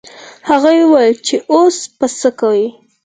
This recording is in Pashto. هغوی وویل چې اوس به څه کوو.